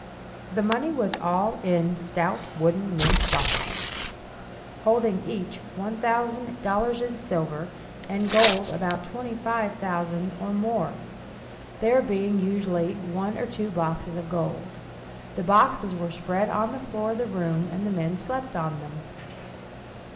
The money was all in stout wooden mint boxes, holding each $1,000 in silver, and in gold about $25,000 or more, there being usually one or two boxes of gold. The boxes were spread on the floor of the room, and the men slept on them.